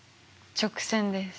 直線です。